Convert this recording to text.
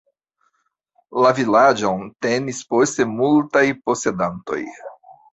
La vilaĝon tenis poste multaj posedantoj.